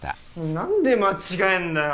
なんで間違えんだよ。